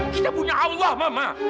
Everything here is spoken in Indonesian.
kita punya allah mama